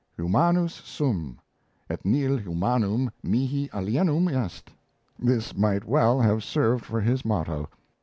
Humanus sum; et nil humanum mihi alienum est this might well have served for his motto.